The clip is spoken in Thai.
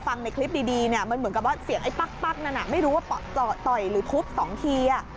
ฟังในคลิปดีมันเหมือนกับเสียงไอ้ปั๊คนะไม่รู้ว่าต่อยหรือทุบ๒ที